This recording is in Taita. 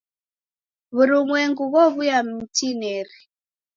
W'urumwengu ghow'uya mtinineri.